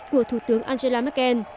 của thủ tướng angela merkel